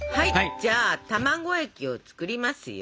じゃあ卵液を作りますよ。